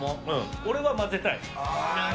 俺は混ぜたい。